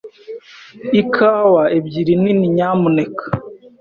Ikawa ebyiri nini, nyamuneka.